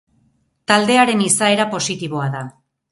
Taldearen izaera positiboa da.